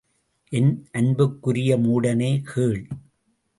என் அன்புக்குரிய மூடனே, கேள்.